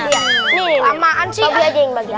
ini lamaan sih